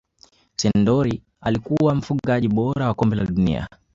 sendor alikuwa mfungaji bora wa kombe la dunia